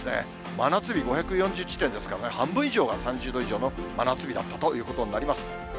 真夏日５４０地点ですからね、半分以上が３０度以上の真夏日だったということになります。